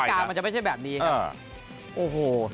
กฏฐานการว์มันจะไม่ใช่แบบนี้ครับ